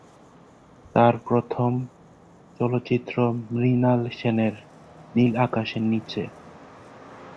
তার প্রথম চলচ্চিত্র মৃণাল সেনের "নীল আকাশের নিচে"।